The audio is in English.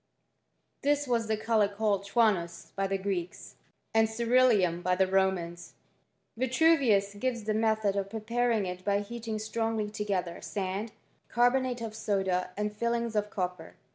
Thiswas the colour called xifvoe (chianoi) by the Greeks, and cmruleum by the Romans. Vitru I *ius gives the method of preparing it by heating I strongly together sand, carbonate of soda, and tilings I of copper.